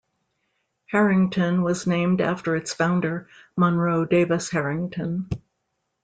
Herington was named after its founder, Monroe Davis Herington.